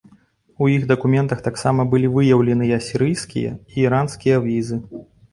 У іх дакументах таксама былі выяўленыя сірыйскія і іранскія візы.